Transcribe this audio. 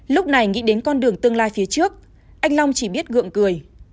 lúc này nghĩ đến con đường tương lai phía trước anh long chỉ biết gợm cười